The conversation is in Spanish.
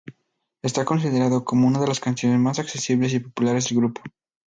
Está considerado como una de las canciones más accesibles y populares del grupo.